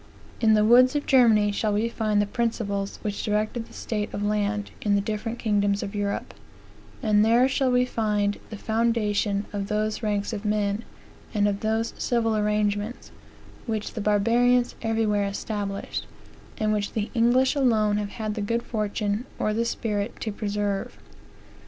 In the woods of Germany shall we find the principles which directed the state of land, in the different kingdoms of Europe; and there shall we find the foundation of those ranks of men, and of those civil arrangements, which the barbarians everywhere established; and which the English alone have had the good fortune, or the spirit, to preserve."